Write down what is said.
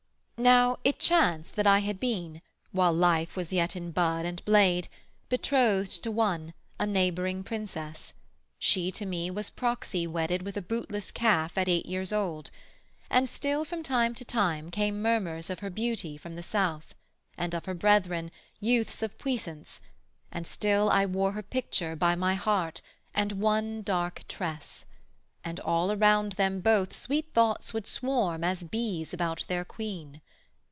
Now it chanced that I had been, While life was yet in bud and blade, bethrothed To one, a neighbouring Princess: she to me Was proxy wedded with a bootless calf At eight years old; and still from time to time Came murmurs of her beauty from the South, And of her brethren, youths of puissance; And still I wore her picture by my heart, And one dark tress; and all around them both Sweet thoughts would swarm as bees about their queen.